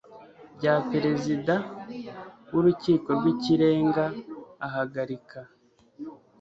bya Perezida w Urukiko rw Ikirenga ahagarika